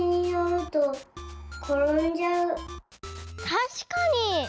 たしかに！